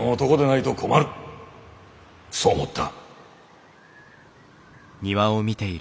そう思った。